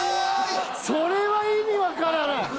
それは意味わからない。